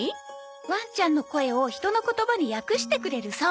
ワンちゃんの声を人の言葉に訳してくれる装置よ。